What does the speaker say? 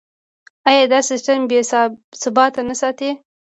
آیا دا سیستم بیې ثابت نه ساتي؟